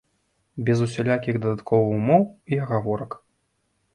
Без усялякіх дадатковых умоў і агаворак.